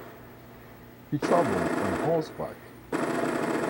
He traveled on horseback.